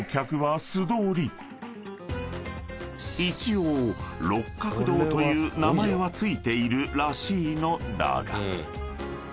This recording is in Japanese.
［一応六角堂という名前は付いているらしいのだが］